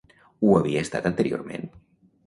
Ho havia estat anteriorment?